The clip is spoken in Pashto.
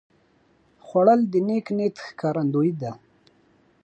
خوړل د نیک نیت ښکارندویي ده